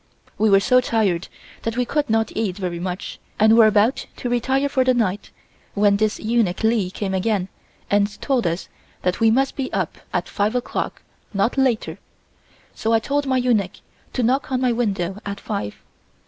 We were so tired that we could not eat very much and were about to retire for the night when this eunuch Li came again and told us that we must be up at five o'clock, not later, so I told my eunuch to knock on my window at five.